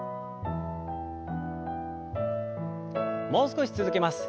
もう少し続けます。